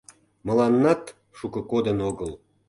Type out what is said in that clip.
Мыланнат шуко кодын огыл.